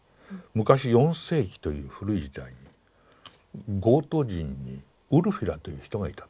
昔４世紀という古い時代にゴート人にウルフィラという人がいた。